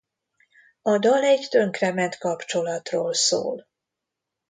A dal egy tönkrement kapcsolatról szól.